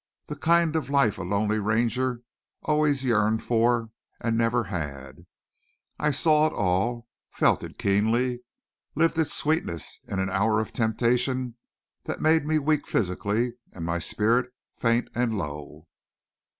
The kind of life a lonely Ranger always yearned for and never had! I saw it all, felt it keenly, lived its sweetness in an hour of temptation that made me weak physically and my spirit faint and low.